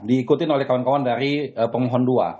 diikuti oleh kawan kawan dari penguhaun dua